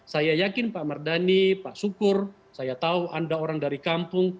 saya yakin pak mardhani pak syukur saya tahu anda orang dari kampung